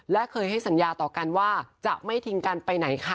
และเคยให้สัญญาต่อกันว่าจะไม่ทิ้งกันไปไหนค่ะ